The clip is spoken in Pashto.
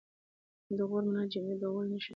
د غور منارې جمعې د غوري نښه ده